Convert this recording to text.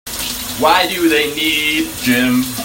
Why do they need gin?